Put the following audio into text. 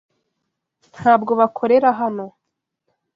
Ntabwo bakorera hano.